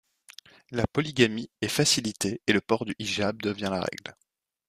La polygamie est facilitée et le port du hijab devient la règle.